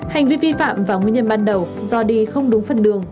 hành vi vi phạm và nguyên nhân ban đầu do đi không đúng phần đường